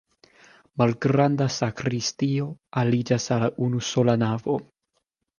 Malgranda sakristio aliĝas al la unusola navo.